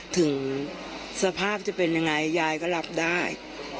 ถึงสภาพจะเป็นยังไงยายก็รับได้